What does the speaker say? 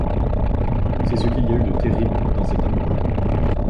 C’est ce qu’il y a eu de terrible dans cet amour-là.